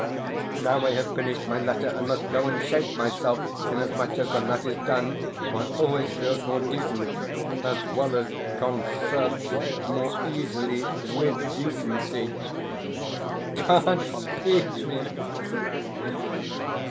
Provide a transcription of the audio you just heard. Now I have finished my letter, and must go and shave myself, inasmuch as, when that is done, one always feels more decent, as well as consorts more easily with decency. God speed me!